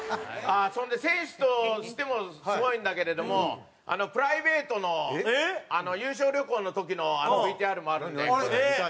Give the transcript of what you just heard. それで選手としてもすごいんだけれどもプライベートの優勝旅行の時のＶＴＲもあるので。